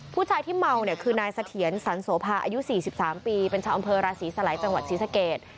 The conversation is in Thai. ผู้ชายที่เมาเนี่ยคือนายเสถียรสันโสภาอายุ๔๓ปีเป็นชาวอำเภอราศีสลัยจังหวัดศรีสเกต